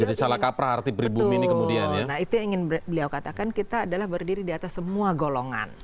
nah itu yang ingin beliau katakan kita adalah berdiri di atas semua golongan